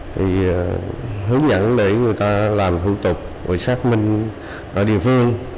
thì hướng dẫn để người ta làm phụ tục và xác minh ở địa phương